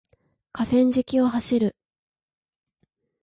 河川敷を走る